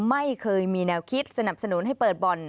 ไม่เคยมีแนวคิดสนับสนุนให้เปิดบ่อน